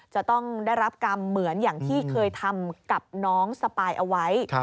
จะต้องได้รับกรรมเหมือนอย่างที่เคยทำกับน้องสปายเอาไว้